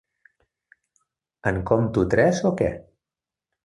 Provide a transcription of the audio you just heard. En compto tres o què?